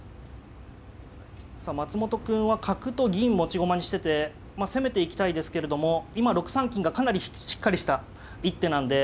松本くんは角と銀持ち駒にしてて攻めていきたいですけれども今６三金がかなりしっかりした一手なんで。